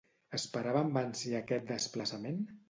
Esperava amb ànsia aquest desplaçament?